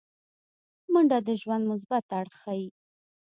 منډه د ژوند مثبت اړخ ښيي